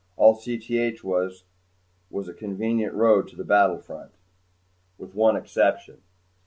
All Cth was was a convenient road to the battlefront. With one exception.